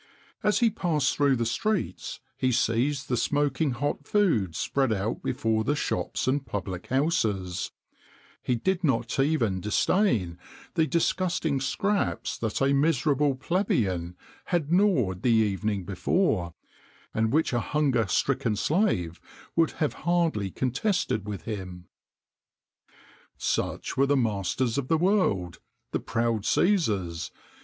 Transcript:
As he passed through the streets he seized the smoking hot food spread out before the shops and public houses; he did not even disdain the disgusting scraps that a miserable plebeian had gnawed the evening before, and which a hunger stricken slave would have hardly contested with him.[XXIX 21] Such were the masters of the world, the proud Cæsars!